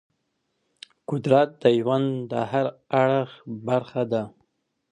قدرت د ژوند د هر اړخ برخه ده.